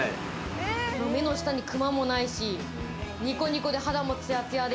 目の下にクマもないし、ニコニコで肌もツヤツヤで。